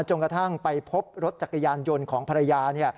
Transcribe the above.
กระทั่งไปพบรถจักรยานยนต์ของภรรยา